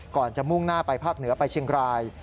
ก่อนจะมุ่งหน้าไปภาคเหนือไปเชียงราย